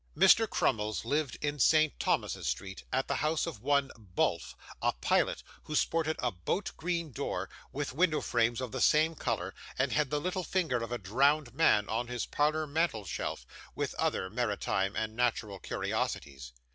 Mr. Crummles lived in St Thomas's Street, at the house of one Bulph, a pilot, who sported a boat green door, with window frames of the same colour, and had the little finger of a drowned man on his parlour mantelshelf, with other maritime and natural curiosities.